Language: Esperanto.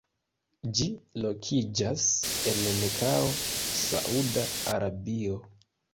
Ĝi lokiĝas en Mekao, Sauda Arabio.